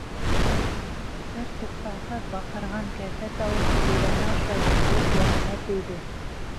Бер туҡтауһыҙ баҡырған кәзә тауышы бүрәнә аша ишетелеп, йәненә тейҙе.